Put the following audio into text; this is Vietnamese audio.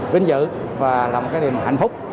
vinh dự và là một cái điểm hạnh phúc